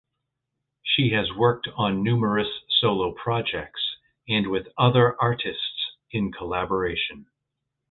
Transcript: She has worked on numerous solo projects and with other artists in collaboration.